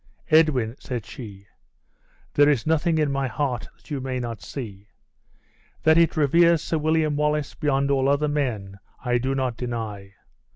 "Edwin," said she, "there is nothing in my heart that you may not see. That it reveres Sir William Wallace beyond all other men, I do not deny.